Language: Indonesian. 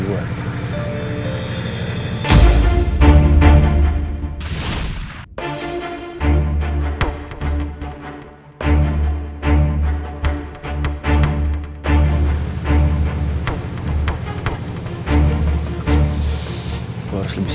gue gak boleh emosi